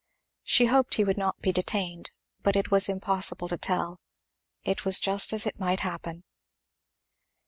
She hoped he would not be detained, but it was impossible to tell. It was just as it might happen.